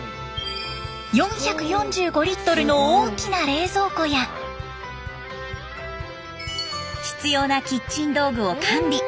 ４４５リットルの大きな冷蔵庫や必要なキッチン道具を完備。